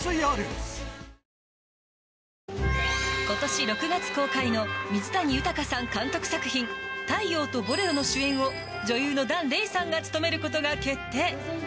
今年６月公開の水谷豊さん監督作品「太陽とボレロ」の主演を女優の檀れいさんが務めることが決定。